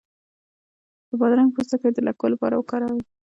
د بادرنګ پوستکی د لکو لپاره وکاروئ